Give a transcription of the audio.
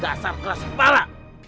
gak asal kelas kepala